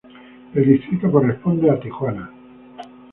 El distrito corresponde a Tijuana.